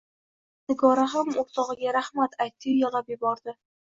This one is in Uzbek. Nigora ham o`rtog`iga rahmat aytdiyu yig`lab yubordi